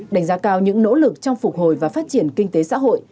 đánh giá cao những nỗ lực trong phục hồi và phát triển kinh tế xã hội